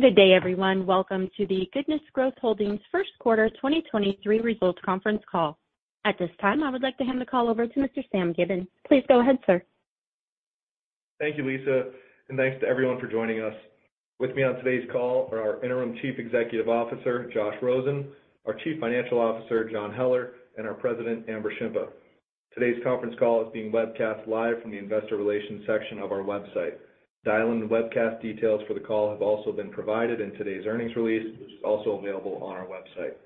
Good day, everyone. Welcome to the Goodness Growth Holdings First Quarter 2023 Results Conference Call. At this time, I would like to hand the call over to Mr. Sam Gibbons. Please go ahead, sir. Thank you, Lisa, and thanks to everyone for joining us. With me on today's call are our Interim Chief Executive Officer, Josh Rosen, our Chief Financial Officer, John Heller, and our President, Amber Shimpa. Today's conference call is being webcast live from the investor relations section of our website. Dial-in webcast details for the call have also been provided in today's earnings release, which is also available on our website.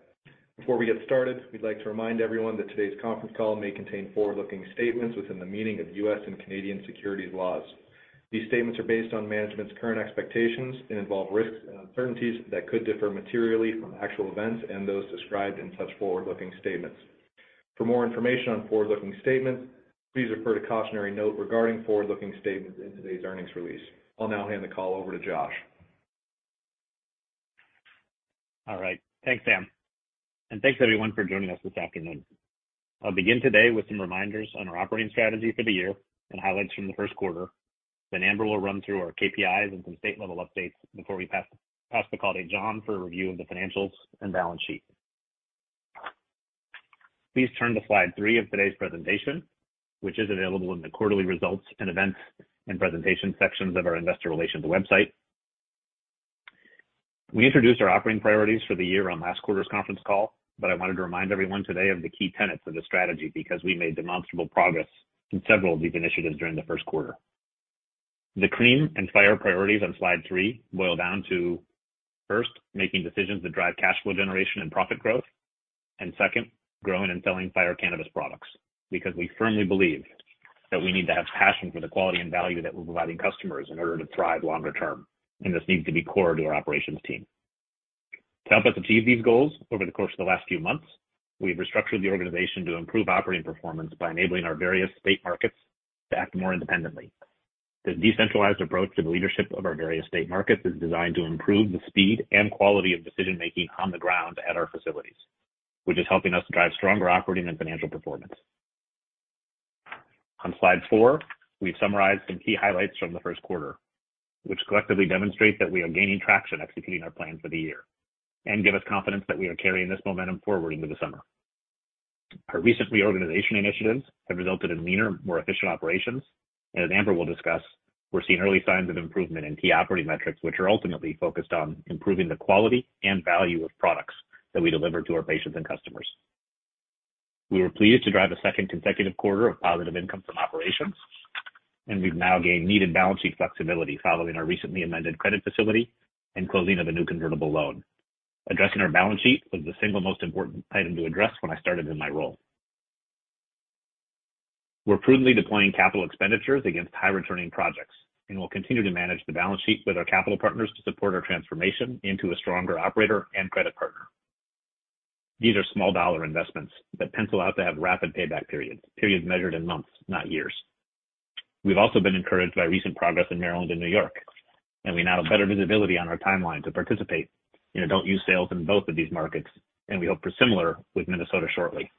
Before we get started, we'd like to remind everyone that today's conference call may contain forward-looking statements within the meaning of U.S. and Canadian securities laws. These statements are based on management's current expectations and involve risks and uncertainties that could differ materially from actual events and those described in such forward-looking statements. For more information on forward-looking statements, please refer to cautionary note regarding forward-looking statements in today's earnings release. I'll now hand the call over to Josh. All right. Thanks, Sam, and thanks, everyone, for joining us this afternoon. I'll begin today with some reminders on our operating strategy for the year and highlights from the first quarter. Amber will run through our KPIs and some state-level updates before we pass the call to John for a review of the financials and balance sheet. Please turn to slide three of today's presentation, which is available in the quarterly results and events and presentation sections of our investor relations website. We introduced our operating priorities for the year on last quarter's conference call, but I wanted to remind everyone today of the key tenets of the strategy because we made demonstrable progress in several of these initiatives during the first quarter. The CREAM and Fire priorities on slide three boil down to, first, making decisions that drive cash flow generation and profit growth, and second, growing and selling fire cannabis products, because we firmly believe that we need to have passion for the quality and value that we're providing customers in order to thrive longer term, and this needs to be core to our operations team. To help us achieve these goals over the course of the last few months, we've restructured the organization to improve operating performance by enabling our various state markets to act more independently. The decentralized approach to the leadership of our various state markets is designed to improve the speed and quality of decision-making on the ground at our facilities, which is helping us drive stronger operating and financial performance. On slide four, we've summarized some key highlights from the first quarter, which collectively demonstrate that we are gaining traction executing our plan for the year and give us confidence that we are carrying this momentum forward into the summer. Our recent reorganization initiatives have resulted in leaner, more efficient operations. As Amber will discuss, we're seeing early signs of improvement in key operating metrics, which are ultimately focused on improving the quality and value of products that we deliver to our patients and customers. We were pleased to drive a second consecutive quarter of positive income from operations. We've now gained needed balance sheet flexibility following our recently amended credit facility and closing of a new convertible loan. Addressing our balance sheet was the single most important item to address when I started in my role. We're prudently deploying capital expenditures against high-returning projects, and we'll continue to manage the balance sheet with our capital partners to support our transformation into a stronger operator and credit partner. These are small dollar investments that pencil out to have rapid payback periods measured in months, not years. We've also been encouraged by recent progress in Maryland and New York, and we now have better visibility on our timeline to participate in adult use sales in both of these markets, and we hope for similar with Minnesota shortly.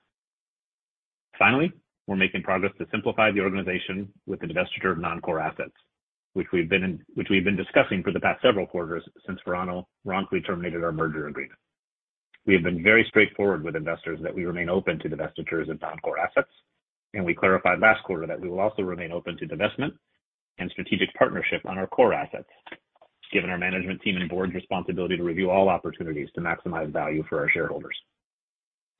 Finally, we're making progress to simplify the organization with the divestiture of non-core assets, which we've been discussing for the past several quarters since Verano wrongly terminated our merger agreement. We have been very straightforward with investors that we remain open to divestitures of non-core assets. We clarified last quarter that we will also remain open to divestment and strategic partnership on our core assets, given our management team and board's responsibility to review all opportunities to maximize value for our shareholders.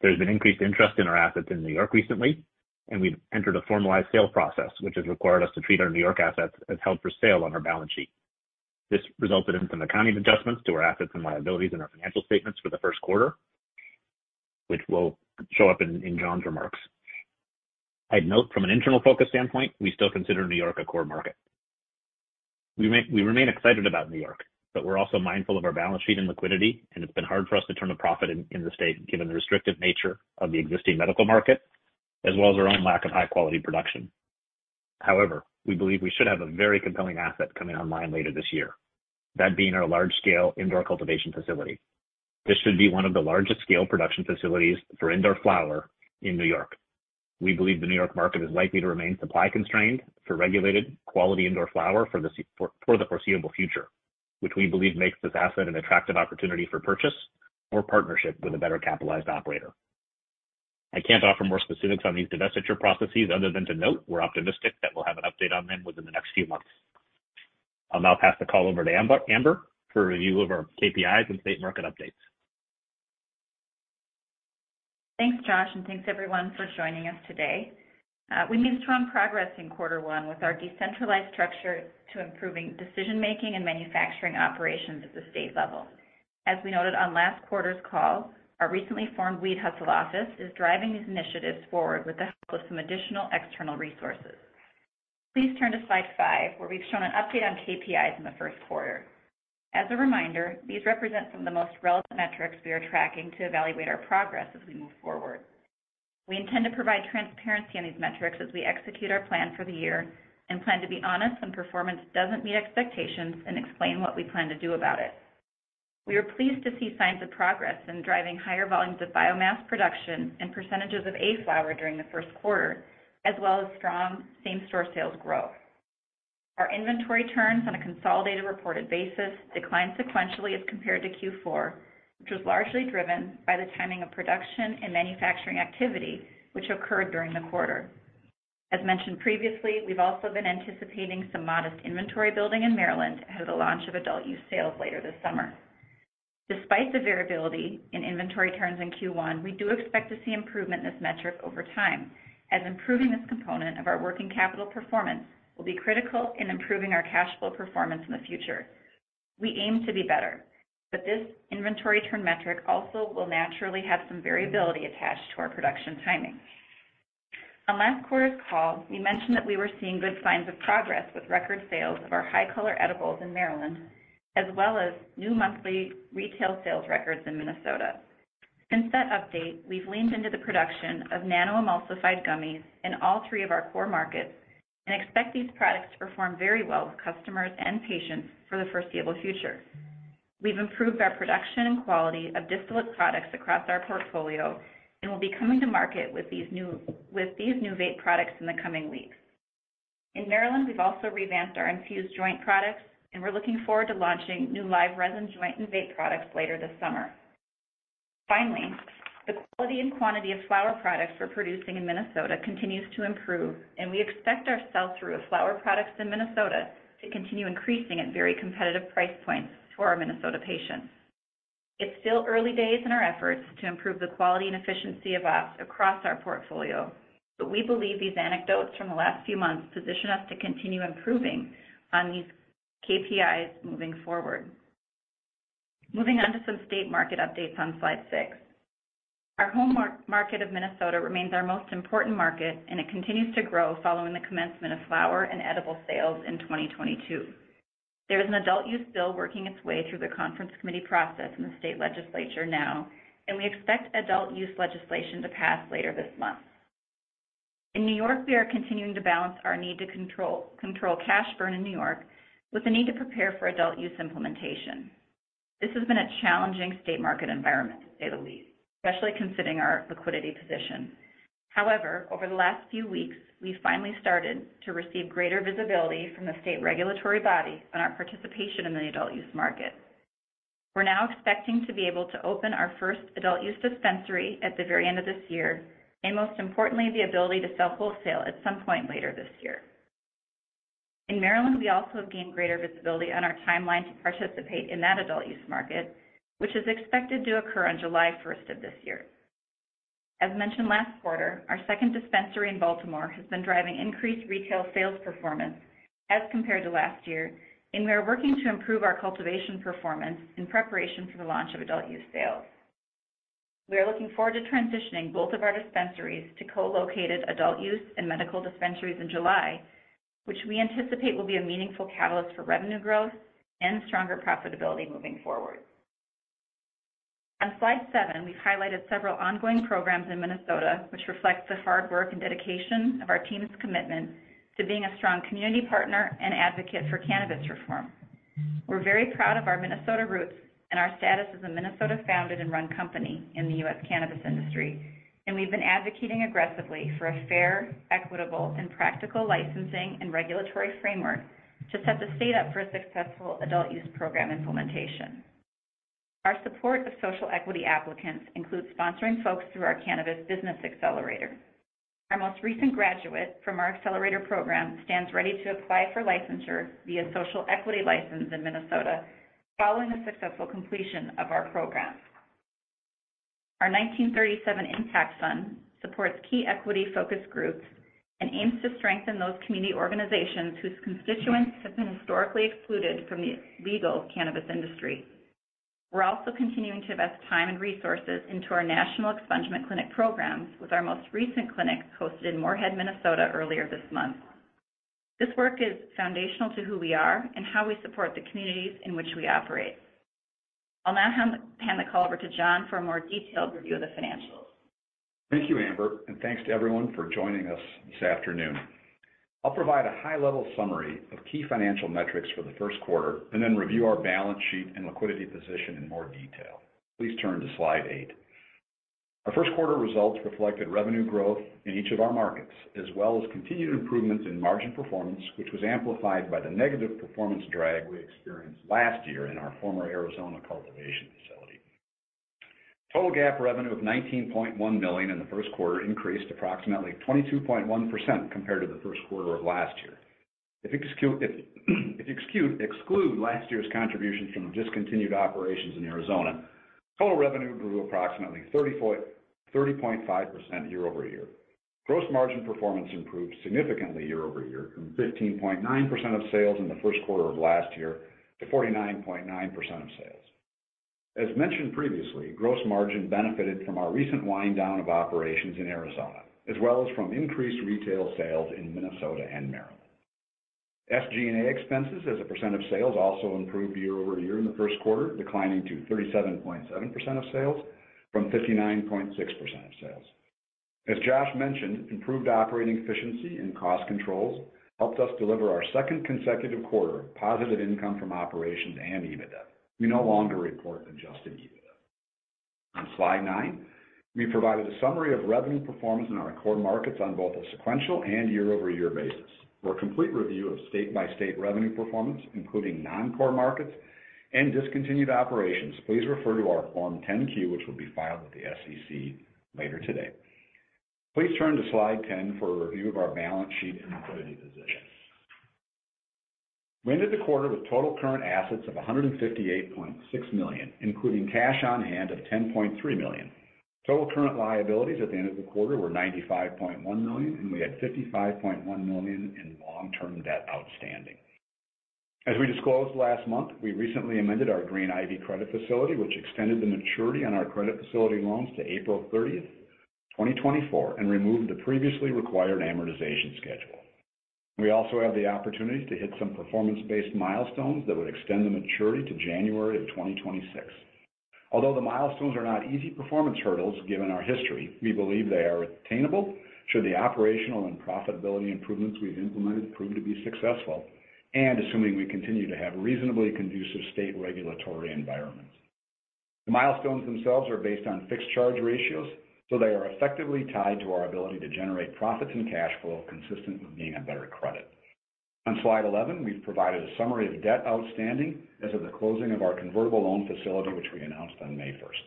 There's been increased interest in our assets in New York recently. We've entered a formalized sales process, which has required us to treat our New York assets as held for sale on our balance sheet. This resulted in some accounting adjustments to our assets and liabilities in our financial statements for the first quarter, which will show up in John's remarks. I'd note from an internal focus standpoint, I still consider New York a core market. We remain excited about New York, but we're also mindful of our balance sheet and liquidity, and it's been hard for us to turn a profit in the state given the restrictive nature of the existing medical market, as well as our own lack of high-quality production. However, we believe we should have a very compelling asset coming online later this year. That being our large-scale indoor cultivation facility. This should be one of the largest scale production facilities for indoor flower in New York. We believe the New York market is likely to remain supply-constrained for regulated quality indoor flower for the foreseeable future, which we believe makes this asset an attractive opportunity for purchase or partnership with a better capitalized operator. I can't offer more specifics on these divestiture processes other than to note we're optimistic that we'll have an update on them within the next few months. I'll now pass the call over to Amber for a review of our KPIs and state market updates. Thanks, Josh. Thanks everyone for joining us today. We made strong progress in quarter one with our decentralized structure to improving decision-making and manufacturing operations at the state level. As we noted on last quarter's call, our recently formed Weed Hustle Office is driving these initiatives forward with the help of some additional external resources. Please turn to slide five, where we've shown an update on KPIs in the first quarter. As a reminder, these represent some of the most relevant metrics we are tracking to evaluate our progress as we move forward. We intend to provide transparency on these metrics as we execute our plan for the year and plan to be honest when performance doesn't meet expectations and explain what we plan to do about it. We are pleased to see signs of progress in driving higher volumes of biomass production and percentages of A-Flower during the first quarter, as well as strong same-store sales growth. Our inventory turns on a consolidated reported basis declined sequentially as compared to Q4, which was largely driven by the timing of production and manufacturing activity which occurred during the quarter. As mentioned previously, we've also been anticipating some modest inventory building in Maryland ahead of the launch of adult use sales later this summer. Despite the variability in inventory turns in Q1, we do expect to see improvement in this metric over time, as improving this component of our working capital performance will be critical in improving our cash flow performance in the future. We aim to be better, but this inventory turn metric also will naturally have some variability attached to our production timing. On last quarter's call, we mentioned that we were seeing good signs of progress with record sales of our Hi-Color edibles in Maryland, as well as new monthly retail sales records in Minnesota. Since that update, we've leaned into the production of nano-emulsified gummies in all three of our core markets and expect these products to perform very well with customers and patients for the foreseeable future. We've improved our production and quality of distillate products across our portfolio. We'll be coming to market with these new vape products in the coming weeks. In Maryland, we've also revamped our infused joint products. We're looking forward to launching new live resin joint and vape products later this summer. Finally, the quality and quantity of flower products we're producing in Minnesota continues to improve. We expect our sell-through of flower products in Minnesota to continue increasing at very competitive price points to our Minnesota patients. It's still early days in our efforts to improve the quality and efficiency of ops across our portfolio. We believe these anecdotes from the last few months position us to continue improving on these KPIs moving forward. Moving on to some state market updates on slide six. Our home market of Minnesota remains our most important market. It continues to grow following the commencement of flower and edible sales in 2022. There is an adult-use bill working its way through the conference committee process in the state legislature now. We expect adult use legislation to pass later this month. In New York, we are continuing to balance our need to control cash burn in New York with the need to prepare for adult use implementation. This has been a challenging state market environment, to say the least, especially considering our liquidity position. However, over the last few weeks, we finally started to receive greater visibility from the state regulatory body on our participation in the adult use market. We're now expecting to be able to open our first adult use dispensary at the very end of this year, and most importantly, the ability to sell wholesale at some point later this year. In Maryland, we also have gained greater visibility on our timeline to participate in that adult use market, which is expected to occur on July first of this year. As mentioned last quarter, our second dispensary in Baltimore has been driving increased retail sales performance as compared to last year, and we are working to improve our cultivation performance in preparation for the launch of adult use sales. We are looking forward to transitioning both of our dispensaries to co-located adult use and medical dispensaries in July, which we anticipate will be a meaningful catalyst for revenue growth and stronger profitability moving forward. On slide seven, we've highlighted several ongoing programs in Minnesota, which reflects the hard work and dedication of our team's commitment to being a strong community partner and advocate for cannabis reform. We're very proud of our Minnesota roots and our status as a Minnesota-founded and run company in the U.S. cannabis industry. We've been advocating aggressively for a fair, equitable, and practical licensing and regulatory framework to set the state up for a successful adult use program implementation. Our support of social equity applicants includes sponsoring folks through our cannabis business accelerator. Our most recent graduate from our accelerator program stands ready to apply for licensure via social equity license in Minnesota following the successful completion of our program. Our 1937 Impact Fund supports key equity focus groups and aims to strengthen those community organizations whose constituents have been historically excluded from the legal cannabis industry. We're also continuing to invest time and resources into our national expungement clinic programs with our most recent clinic hosted in Moorhead, Minnesota earlier this month. This work is foundational to who we are and how we support the communities in which we operate. I'll now hand the call over to John for a more detailed review of the financials. Thank you, Amber, and thanks to everyone for joining us this afternoon. I'll provide a high-level summary of key financial metrics for the first quarter and then review our balance sheet and liquidity position in more detail. Please turn to slide eight. Our first quarter results reflected revenue growth in each of our markets, as well as continued improvements in margin performance, which was amplified by the negative performance drag we experienced last year in our former Arizona cultivation facility. Total GAAP revenue of $19.1 million in the first quarter increased approximately 22.1% compared to the first quarter of last year. If exclude last year's contributions from discontinued operations in Arizona, total revenue grew approximately 30.5% year-over-year. Gross margin performance improved significantly year-over-year from 15.9% of sales in the first quarter of last year to 49.9% of sales. As mentioned previously, gross margin benefited from our recent wind down of operations in Arizona, as well as from increased retail sales in Minnesota and Maryland. SG&A expenses as a percent of sales also improved year-over-year in the first quarter, declining to 37.7% of sales from 59.6% of sales. As Josh mentioned, improved operating efficiency and cost controls helped us deliver our second consecutive quarter of positive income from operations and EBITDA. We no longer report adjusted EBITDA. On slide nine, we provided a summary of revenue performance in our core markets on both a sequential and year-over-year basis. For a complete review of state-by-state revenue performance, including non-core markets and discontinued operations, please refer to our Form 10-Q, which will be filed with the SEC later today. Please turn to slide 10 for a review of our balance sheet and liquidity position. We ended the quarter with total current assets of $158.6 million, including cash on hand of $10.3 million. Total current liabilities at the end of the quarter were $95.1 million, and we had $55.1 million in long-term debt outstanding. As we disclosed last month, we recently amended our Green Ivy credit facility, which extended the maturity on our credit facility loans to April 30th, 2024, and removed the previously required amortization schedule. We also have the opportunity to hit some performance-based milestones that would extend the maturity to January of 2026. Although the milestones are not easy performance hurdles given our history, we believe they are attainable should the operational and profitability improvements we've implemented prove to be successful, and assuming we continue to have reasonably conducive state regulatory environments. The milestones themselves are based on fixed charge ratios, so they are effectively tied to our ability to generate profits and cash flow consistent with being a better credit. On slide 11, we've provided a summary of debt outstanding as of the closing of our convertible loan facility, which we announced on May 1st.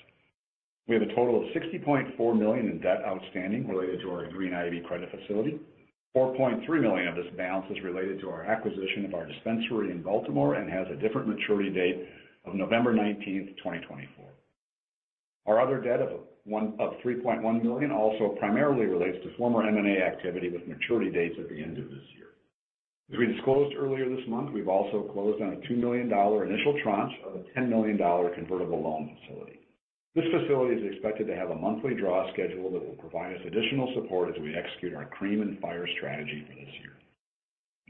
We have a total of $60.4 million in debt outstanding related to our Green Ivy credit facility. $4.3 million of this balance is related to our acquisition of our dispensary in Baltimore and has a different maturity date of November 19th, 2024. Our other debt of $3.1 million also primarily relates to former M&A activity with maturity dates at the end of this year. As we disclosed earlier this month, we've also closed on a $2 million initial tranche of a $10 million convertible loan facility. This facility is expected to have a monthly draw schedule that will provide us additional support as we execute our CREAM and Fire strategy for this year.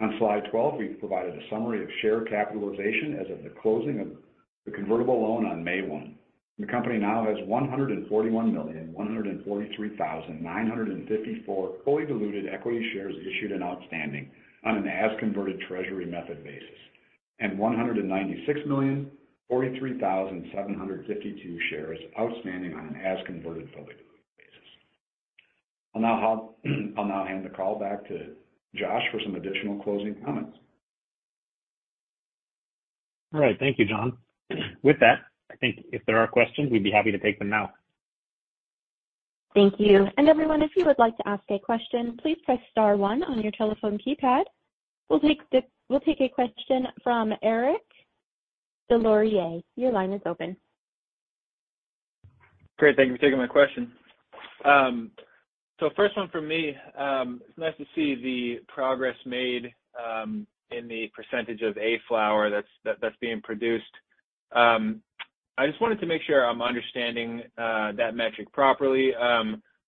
On slide 12, we've provided a summary of share capitalization as of the closing of the convertible loan on May 1. The company now has 141,143,954 fully diluted equity shares issued and outstanding on an as converted treasury method basis, and 196,043,752 shares outstanding on an as converted fully diluted basis. I'll now hand the call back to Josh for some additional closing comments. All right. Thank you, John. With that, I think if there are questions, we'd be happy to take them now. Thank you. Everyone, if you would like to ask a question, please press star 1 on your telephone keypad. We'll take a question from Eric Des Lauriers. Your line is open. Great. Thank you for taking my question. First one from me, it's nice to see the progress made in the percentage of A-Flower that's being produced. I just wanted to make sure I'm understanding that metric properly.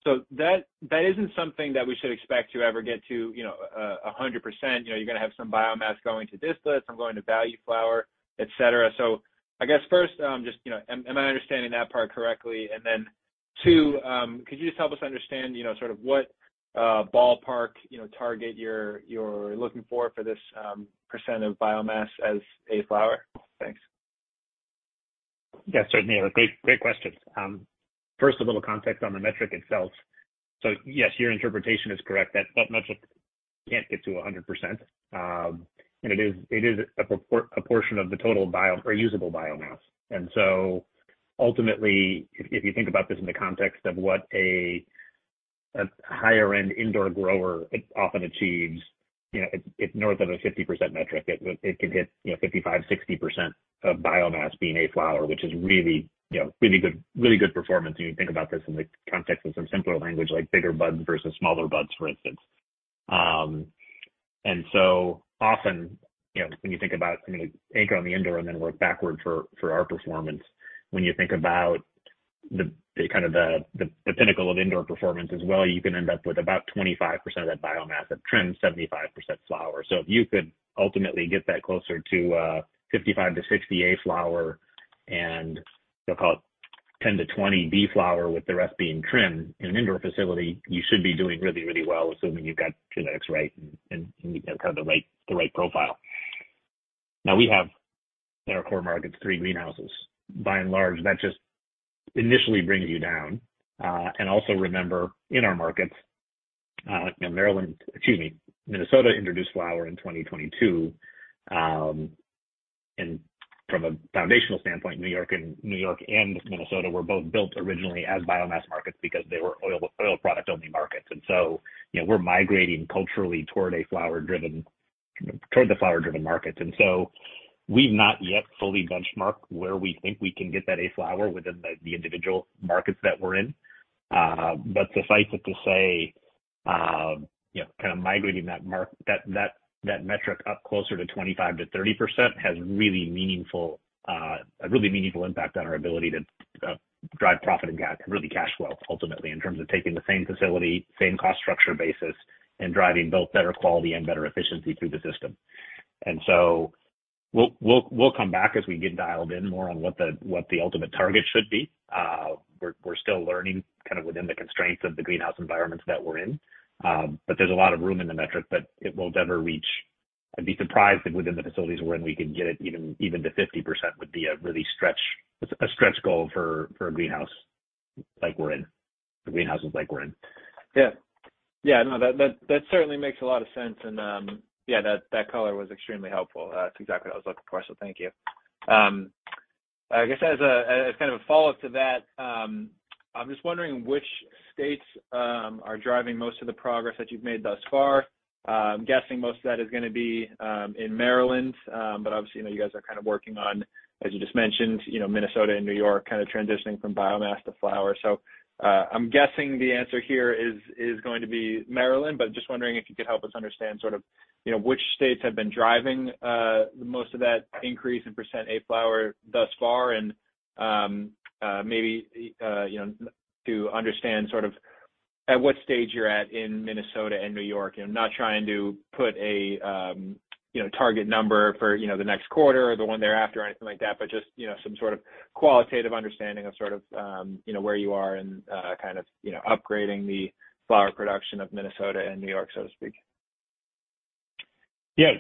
That isn't something that we should expect to ever get to, you know, a 100%, you know, you're gonna have some biomass going to distillates, some going to value flower, et cetera. I guess first, just, you know, am I understanding that part correctly? And then two, could you just help us understand, you know, sort of what, ballpark, you know, target you're looking for for this, percent of biomass as A-Flower? Thanks. Yeah, certainly, Eric. Great questions. First, a little context on the metric itself. Yes, your interpretation is correct. That metric can't get to 100%. It is a portion of the total usable biomass. Ultimately, if you think about this in the context of what a higher-end indoor grower often achieves, you know, it's north of a 50% metric. It could hit, you know, 55%-60% of biomass being A-Flower, which is really, you know, really good performance when you think about this in the context of some simpler language like bigger buds versus smaller buds, for instance. Often, you know, when you think about kind of anchor on the indoor and then work backward for our performance, when you think about the pinnacle of indoor performance as well, you can end up with about 25% of that biomass of trim, 75% flower. If you could ultimately get that closer to 55%-60% A-Flower and we'll call it 10%-20% B-Flower with the rest being trim in an indoor facility, you should be doing really, really well, assuming you've got genetics right and you have kind of the right profile. Now we have in our core markets three greenhouses. By and large, that just initially brings you down. Also remember in our markets, you know, Maryland, excuse me, Minnesota introduced flower in 2022. From a foundational standpoint, New York and Minnesota were both built originally as biomass markets because they were oil product-only markets. We're migrating culturally toward A-Flower driven, you know, toward the flower-driven markets. We've not yet fully benchmarked where we think we can get that A-Flower within the individual markets that we're in. Suffice it to say, you know, kind of migrating that metric up closer to 25%-30% has really meaningful, a really meaningful impact on our ability to drive profit and really cash flow ultimately, in terms of taking the same facility, same cost structure basis, and driving both better quality and better efficiency through the system. We'll come back as we get dialed in more on what the, what the ultimate target should be. We're still learning kind of within the constraints of the greenhouse environments that we're in. There's a lot of room in the metric that it will never reach. I'd be surprised if within the facilities we're in, we can get it even to 50% would be a really a stretch goal for a greenhouse like we're in. The greenhouses like we're in. Yeah. Yeah, no, that certainly makes a lot of sense. Yeah, that color was extremely helpful. That's exactly what I was looking for. Thank you. I guess as a, as kind of a follow-up to that, I'm just wondering which states are driving most of the progress that you've made thus far. I'm guessing most of that is gonna be in Maryland. Obviously, you know, you guys are kind of working on, as you just mentioned, you know, Minnesota and New York, kind of transitioning from biomass to flower. I'm guessing the answer here is going to be Maryland, but just wondering if you could help us understand sort of, you know, which states have been driving most of that increase in percent A-Flower thus far. Maybe, you know, to understand sort of at what stage you're at in Minnesota and New York. You know, I'm not trying to put a, you know, target number for, you know, the next quarter or the one thereafter or anything like that, but just, you know, some sort of qualitative understanding of sort of, you know, where you are in, kind of, you know, upgrading the flower production of Minnesota and New York, so to speak. Yeah.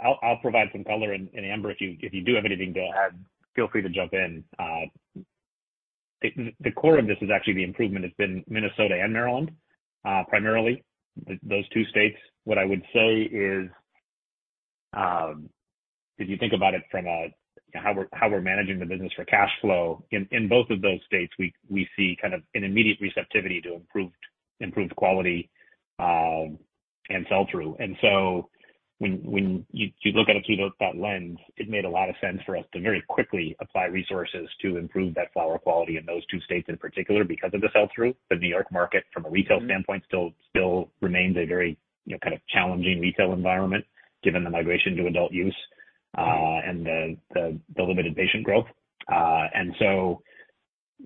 I'll provide some color. Amber, if you do have anything to add, feel free to jump in. The core of this is actually the improvement has been Minnesota and Maryland, primarily those two states. What I would say is, if you think about it from a, how we're managing the business for cash flow, in both of those states, we see kind of an immediate receptivity to improved quality, and sell through. When you look at it through that lens, it made a lot of sense for us to very quickly apply resources to improve that flower quality in those two states in particular because of the sell through. The New York market from a retail standpoint, still remains a very, you know, kind of challenging retail environment given the migration to adult use and the limited patient growth.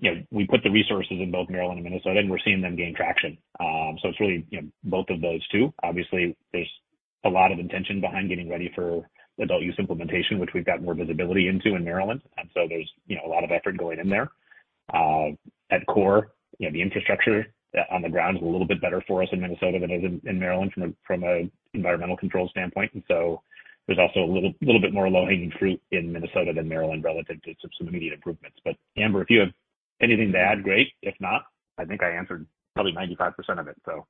You know, we put the resources in both Maryland and Minnesota, and we're seeing them gain traction. It's really, you know, both of those two. Obviously there's a lot of intention behind getting ready for adult use implementation, which we've got more visibility into in Maryland. There's, you know, a lot of effort going in there. At core, you know, the infrastructure on the ground is a little bit better for us in Minnesota than it is in Maryland from a environmental control standpoint. There's also a little bit more low-hanging fruit in Minnesota than Maryland relative to some immediate improvements. Amber, if you have anything to add, great. If not, I think I answered probably 95% of it, so.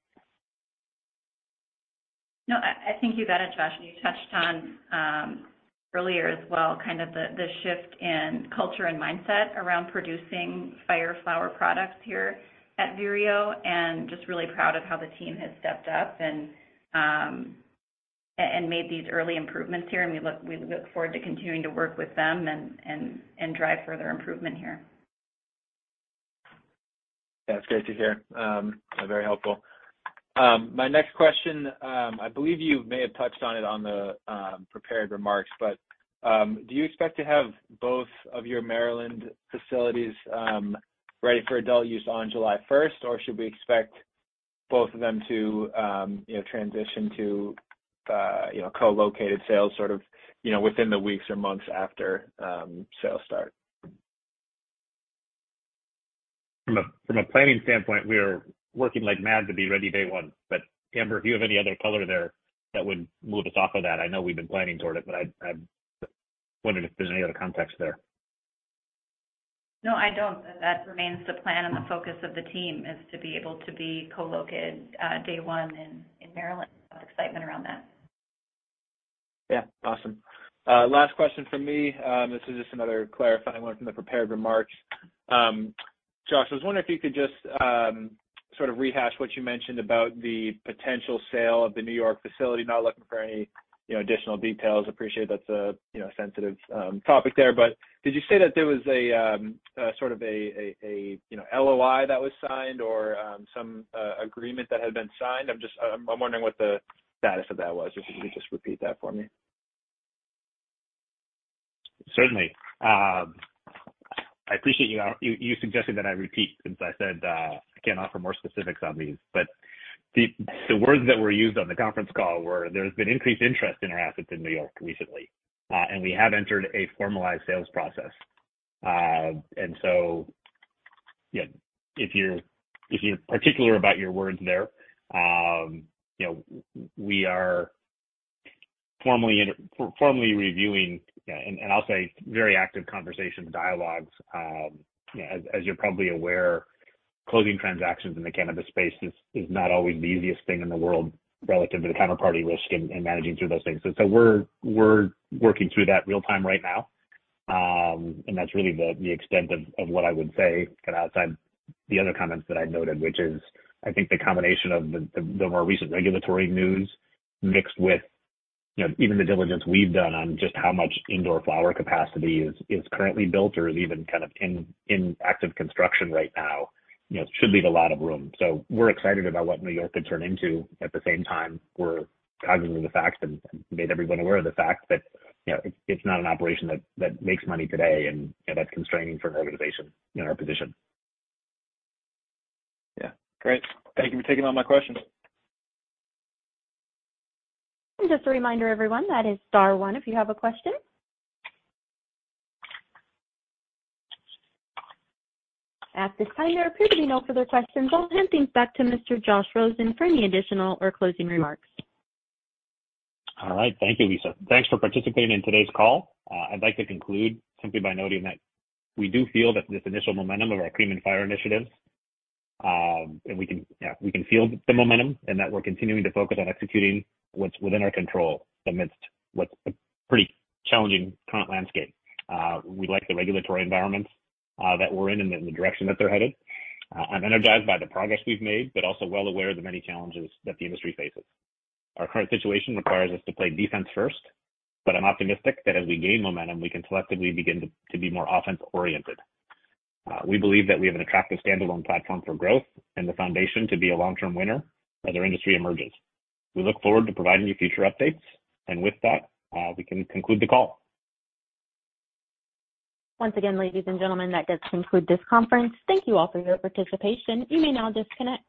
No, I think you got it, Josh, and you touched on earlier as well, kind of the shift in culture and mindset around producing fire flower products here at Vireo, and just really proud of how the team has stepped up and made these early improvements here. We look forward to continuing to work with them and drive further improvement here. Yeah. It's great to hear. Very helpful. My next question, I believe you may have touched on it on the prepared remarks, but do you expect to have both of your Maryland facilities ready for adult use on July 1st? Should we expect both of them to, you know, transition to, you know, co-located sales sort of, you know, within the weeks or months after sales start? From a planning standpoint, we are working like mad to be ready day one. Amber, if you have any other color there that would move us off of that. I know we've been planning toward it, I'm wondering if there's any other context there. No, I don't. That remains the plan and the focus of the team is to be able to be co-located, day one in Maryland. A lot of excitement around that. Yeah. Awesome. Last question from me, this is just another clarifying one from the prepared remarks. Josh, I was wondering if you could just sort of rehash what you mentioned about the potential sale of the New York facility. Not looking for any, you know, additional details. Appreciate that's a, you know, sensitive topic there. Did you say that there was a sort of a, you know, LOI that was signed or some agreement that had been signed? I'm just wondering what the status of that was. If you could just repeat that for me. Certainly. I appreciate you suggesting that I repeat since I said, I can't offer more specifics on these. The words that were used on the conference call were there's been increased interest in our assets in New York recently, and we have entered a formalized sales process. Yeah, if you're particular about your words there, you know, we are formally reviewing, yeah, and I'll say very active conversations, dialogues. You know, as you're probably aware, closing transactions in the cannabis space is not always the easiest thing in the world relative to the counterparty risk and managing through those things. We're working through that real time right now. That's really the extent of what I would say kind of outside the other comments that I noted, which is I think the combination of the more recent regulatory news mixed with, you know, even the diligence we've done on just how much indoor flower capacity is currently built or is even kind of in active construction right now, you know, should leave a lot of room. We're excited about what New York could turn into. At the same time, we're cognizant of the facts and made everyone aware of the fact that, you know, it's not an operation that makes money today and, you know, that's constraining for an organization in our position. Yeah. Great. Thank you for taking all my questions. Just a reminder everyone, that is star one if you have a question. At this time, there appear to be no further questions. I'll hand things back to Mr. Josh Rosen for any additional or closing remarks. All right. Thank you, Lisa. Thanks for participating in today's call. I'd like to conclude simply by noting that we do feel that this initial momentum of our CREAM and Fire initiatives, and we can feel the momentum and that we're continuing to focus on executing what's within our control amidst what's a pretty challenging current landscape. We like the regulatory environment that we're in and the direction that they're headed. I'm energized by the progress we've made, but also well aware of the many challenges that the industry faces. Our current situation requires us to play defense first, but I'm optimistic that as we gain momentum, we can selectively begin to be more offense-oriented. We believe that we have an attractive standalone platform for growth and the foundation to be a long-term winner as our industry emerges. We look forward to providing you future updates. With that, we can conclude the call. Once again, ladies and gentlemen, that does conclude this conference. Thank you all for your participation. You may now disconnect.